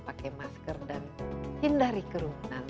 pakai masker dan hindari kerumunan